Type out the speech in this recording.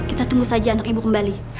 kita tunggu saja anak ibu kembali